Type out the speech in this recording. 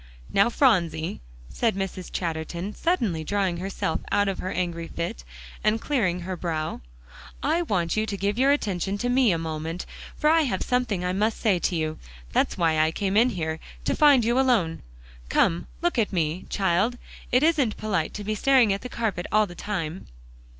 "Now, Phronsie," said Mrs. Chatterton, suddenly drawing herself out of her angry fit, and clearing her brow, "I want you to give your attention to me a moment, for I have something I must say to you. That's why I came in here, to find you alone. Come, look at me, child. It isn't polite to be staring at the carpet all the time."